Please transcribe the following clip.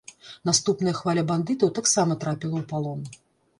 Наступная хваля бандытаў таксама трапіла ў палон.